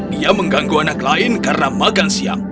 dia mengganggu anak lain karena makan siang